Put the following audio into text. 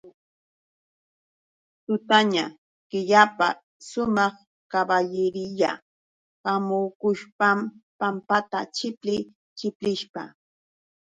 Tutaña killapa sumaq kaballiriya hamukushpam pampata chipli chiplishpa.